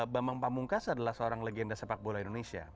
bambang pamungkas adalah seorang legenda sepak bola indonesia